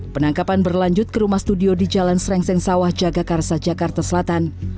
penangkapan berlanjut ke rumah studio di jalan serengseng sawah jagakarsa jakarta selatan